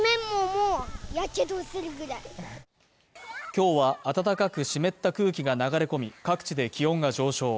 今日は暖かく湿った空気が流れ込み、各地で気温が上昇。